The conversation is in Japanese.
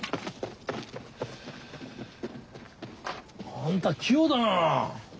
あんた器用だな。